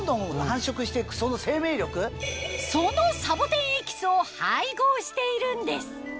そのサボテンエキスを配合しているんです